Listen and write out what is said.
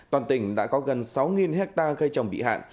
toàn tỉnh đã có gần sáu hectare cây trồng bị hạn